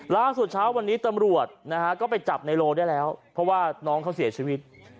ล่าสุดเช้าวันนี้ตำรวจนะฮะก็ไปจับในโลได้แล้วเพราะว่าน้องเขาเสียชีวิต